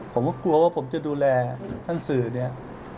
ผมก็กลัวว่าผมจะดูแลท่านสื่อเนี่ย